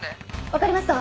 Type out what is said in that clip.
わかりました！